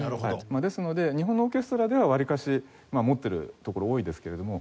ですので日本のオーケストラではわりかし持っているところ多いですけれども。